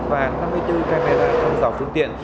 và năm mươi bốn camera thông dọc phương tiện